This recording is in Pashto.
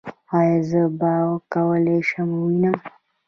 ایا زه به وکولی شم ووینم؟